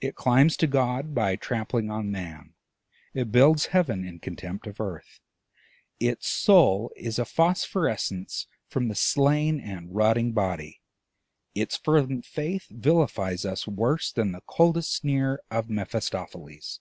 It climbs to God by trampling on Man, it builds Heaven in contempt of Earth, its soul is a phosphorescence from the slain and rotting Body; its fervent faith vilifies us worse than the coldest sneer of Mephistopheles.